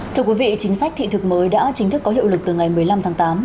thưa quý vị chính sách thị thực mới đã chính thức có hiệu lực từ ngày một mươi năm tháng tám